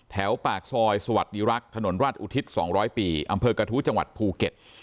ปากซอยสวัสดีรักษ์ถนนราชอุทิศ๒๐๐ปีอำเภอกระทู้จังหวัดภูเก็ต